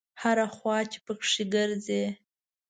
هره خوا چې په کې ګرځې.